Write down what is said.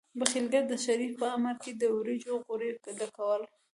پخليګر د شريف په امر کله د وريجو غوري ډکول.